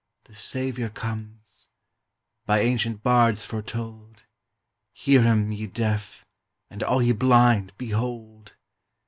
The Saviour comes! by ancient bards foretold: Hear him, ye deaf! and all ye blind, behold!